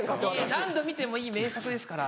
何度見てもいい名作ですから。